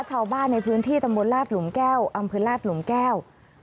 ชาวบ้านในพื้นที่ตำบลลาดหลุมแก้วอำเภอลาดหลุมแก้ว